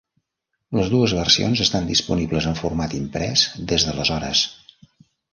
Les dues versions estan disponibles en format imprès des d'aleshores.